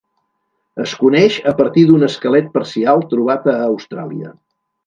Es coneix a partir d'un esquelet parcial trobat a Austràlia.